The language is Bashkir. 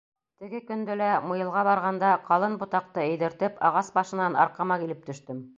— Теге көндө лә, муйылға барғанда... ҡалын ботаҡты эйҙертеп, ағас башынан арҡама килеп төштөм.